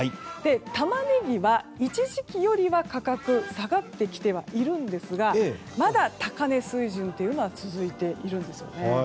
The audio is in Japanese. タマネギは一時期よりは価格が下がってきていますがまだ高値水準というのは続いているんですよね。